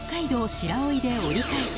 白老で折り返し